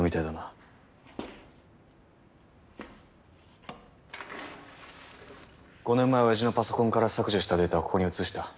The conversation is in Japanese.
５年前親父のパソコンから削除したデータをここに移した。